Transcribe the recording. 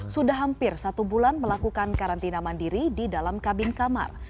sudah hampir satu bulan melakukan karantina mandiri di dalam kabin kamar